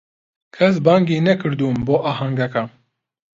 کەس بانگی نەکردم بۆ ئاهەنگەکە.